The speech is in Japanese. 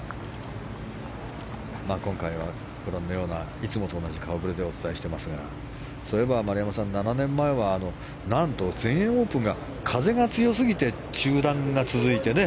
今回はいつもと同じ顔ぶれでお伝えしていますがそういえば丸山さん、７年前は何と全英オープンが風が強すぎて中断が続いてね。